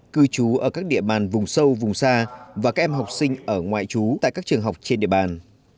cư trú ở các địa bàn vùng sâu vùng xa và các em học sinh ở ngoại trú tại các trường học trên địa bàn